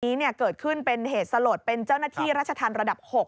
นี้เกิดขึ้นเป็นเหตุสลดเป็นเจ้าหน้าที่ราชธรรมระดับ๖